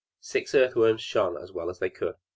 Six earth worms shone as well as they could.